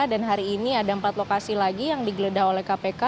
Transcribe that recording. dan hari ini ada empat lokasi lagi yang digeledah oleh kpk